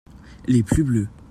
Les plus bleus.